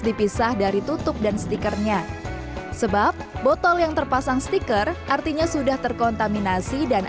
dipisah dari tutup dan stikernya sebab botol yang terpasang stiker artinya sudah terkontaminasi dan